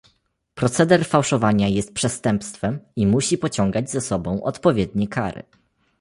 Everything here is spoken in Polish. Proceder fałszowania jest przestępstwem i musi pociągać za sobą odpowiednie kary